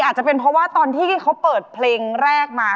อาจจะเป็นเพราะว่าตอนที่เขาเปิดเพลงแรกมา